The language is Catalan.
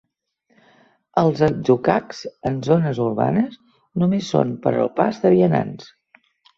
Els atzucacs en zones urbanes només són per al pas de vianants.